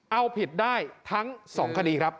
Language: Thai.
เอาผิดได้ทั้ง๒คดีครับ